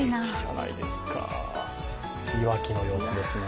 いわきの様子ですね。